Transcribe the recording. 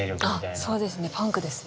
そうですねパンクですね。